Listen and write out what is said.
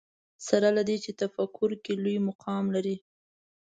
سره له دې تفکر کې لوی مقام لري